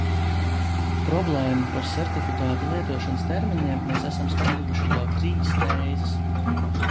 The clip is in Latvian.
Problēmu par sertifikātu lietošanas termiņiem mēs esam skatījuši jau trīs reizes.